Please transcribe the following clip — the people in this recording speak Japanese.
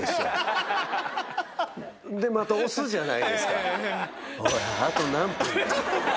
でまた押すじゃないですか。